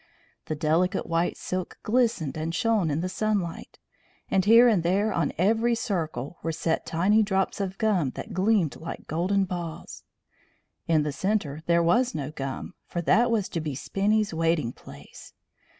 The delicate white silk glistened and shone in the sunlight, and here and there on every circle were set tiny drops of gum that gleamed like golden balls. In the centre there was no gum, for that was to be Spinny's waiting place.